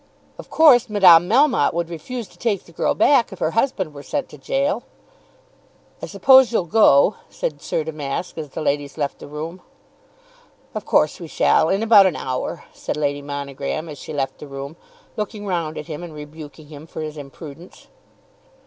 Of course, Madame Melmotte would refuse to take the girl back if her husband were sent to gaol. "I suppose you'll go," said Sir Damask as the ladies left the room. "Of course we shall, in about an hour," said Lady Monogram as she left the room, looking round at him and rebuking him for his imprudence.